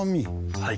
はい。